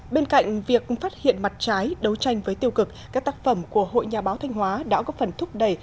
bên cạnh việc phát hiện mặt trái đấu tranh với tiêu cực các tác phẩm của hội nhà báo thanh hóa đã góp phần thúc đẩy